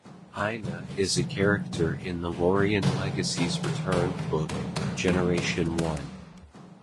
Einar is a character in the Lorien Legacies Return book Generation One.